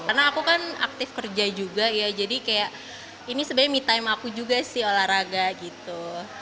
karena aku kan aktif kerja juga ya jadi kayak ini sebenarnya me time aku juga sih olahraga gitu